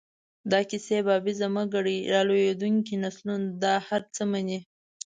دا کیسې بابیزه مه ګڼئ، را لویېدونکي نسلونه دا هر څه مني.